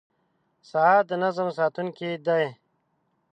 • ساعت د نظم ساتونکی دی.